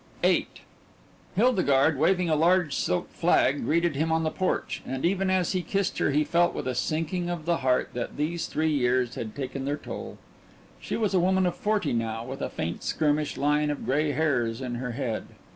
VIII Hildegarde, waving a large silk flag, greeted him on the porch, and even as he kissed her he felt with a sinking of the heart that these three years had taken their toll. She was a woman of forty now, with a faint skirmish line of gray hairs in her head.